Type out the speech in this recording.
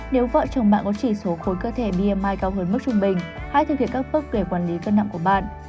nếu vợ chồng bạn có chỉ số khối cơ thể my cao hơn mức trung bình hãy thực hiện các bước về quản lý cân nặng của bạn